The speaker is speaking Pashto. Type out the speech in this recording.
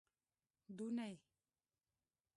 دونۍ